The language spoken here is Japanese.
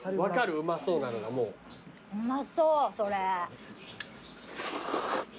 うまそうそれ。